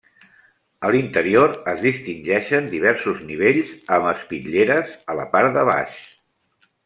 A l'interior es distingeixen diversos nivells amb espitlleres a la part de baix.